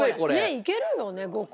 いけるよね５個。